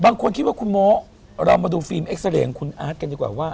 คิดว่าคุณโมเรามาดูฟิล์มเอ็กซาเรย์ของคุณอาร์ตกันดีกว่าว่า